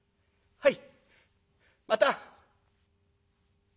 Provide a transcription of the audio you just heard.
「はい。